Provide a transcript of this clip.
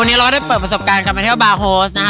วันนี้เราก็ได้เปิดประสบการณ์กลับมาเที่ยวบาร์โฮสนะคะ